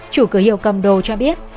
chủ cửa hiệu cầm đồ cho biết